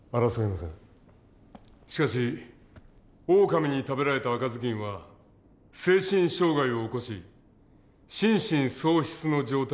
しかしオオカミに食べられた赤ずきんは精神障害を起こし心神喪失の状態にありました。